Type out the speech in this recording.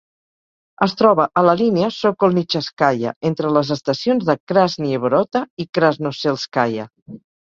Es troba a la línia Sokolnicheskaya, entre les estacions de Krasnye Vorota i Krasnoselskaya.